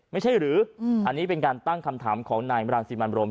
ไม่ใช่หรืออันนี้เป็นการตั้งคำถามของนายบรังสิมันบรม